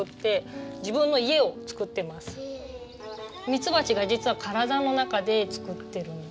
ミツバチが実は体の中で作ってるの。